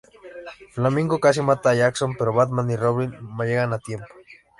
Flamingo casi mata a Jason, pero Batman y Robin llegan a tiempo.